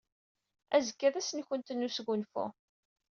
Azekka d ass-nwent n wesgunfu.